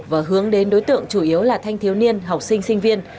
và hướng đến đối tượng chủ yếu là thanh thiếu niên học sinh sinh viên